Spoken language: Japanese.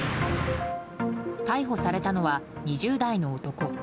逮捕されたのは２０代の男。